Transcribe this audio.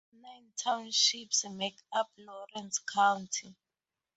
Nine townships make up Lawrence County.